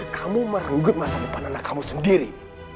kamu merugut masa depan anak kamu sendiri